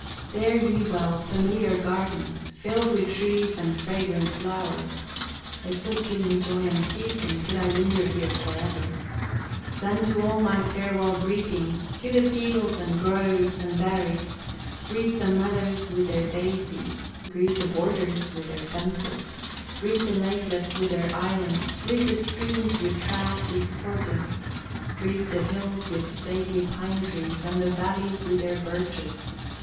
Fare ye well, familiar gardens Filled with trees and fragrant flowers; It would give me joy unceasing, Could I linger here forever. Send to all my farewell greetings, To the fields, and groves, and berries; Greet the meadows with their daisies, Greet the borders with their fences, Greet the lakelets with their islands, Greet the streams with trout disporting, Greet the hills with stately pine trees, And the valleys with their birches.